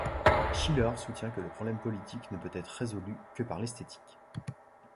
Schiller soutient que le problème politique ne peut être résolu que par l'esthétique.